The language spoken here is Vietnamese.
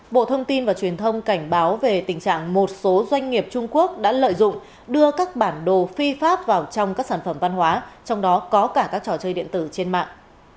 bộ thông tin và truyền thông cảnh báo về tình trạng một số doanh nghiệp trung quốc đã lợi dụng đưa các bản đồ phi pháp vào trong các sản phẩm văn hóa trong đó có cả các trò chơi điện tử trên mạng